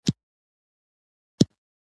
د شنو سبزیو کرل د کورنۍ غذایي اړتیا پوره کوي.